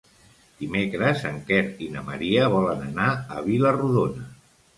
Dimecres en Quer i na Maria volen anar a Vila-rodona.